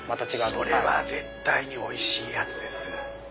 それは絶対においしいやつです。